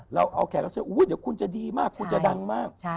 เราเอาแขกนะว่าคุ้ยจะดีมากคุณจะดังมาก